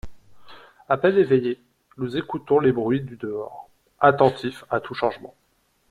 À peine éveillés, nous écoutons les bruits du dehors, attentifs à tout changement.